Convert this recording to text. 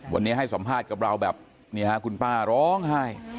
วันนี้ให้สัมภาษณ์กับเราแบบนี้คุณป้าร้องไห้